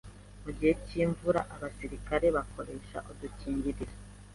mu gihe cy’imvura abasirikare bakoresha udukingirizo